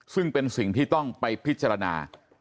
ซึ่งเป็นสิ่งที่ต้องไปพิจารณา